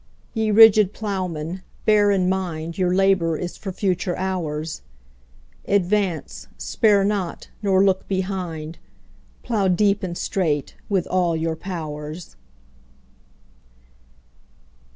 Ye rigid Ploughmen, bear in mind Your labour is for future hours: Advance—spare not—nor look behind— 15 Plough deep and straight with all your powers!